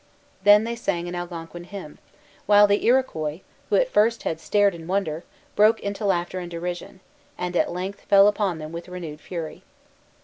Then they sang an Algonquin hymn, while the Iroquois, who at first had stared in wonder, broke into laughter and derision, and at length fell upon them with renewed fury.